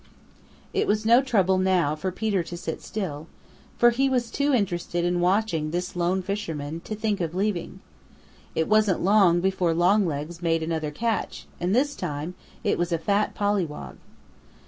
It was no trouble now for Peter to sit still, for he was too interested in watching this lone fisherman to think of leaving. It wasn't long before Longlegs made another catch and this time it was a fat Pollywog.